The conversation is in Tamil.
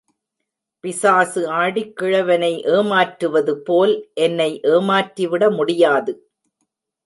பிசாசு ஆடிக் கிழவனை ஏமாற்றுவது போல் என்னை ஏமாற்றி விட முடியாது.